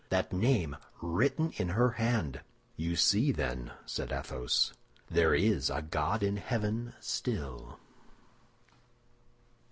that name written in her hand." "You see, then," said Athos, "there is a god in heaven still!"